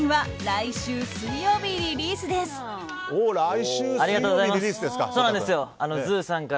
来週水曜日リリースですか。